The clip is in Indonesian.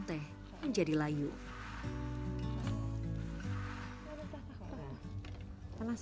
ape api sendiri satu gelas upang sih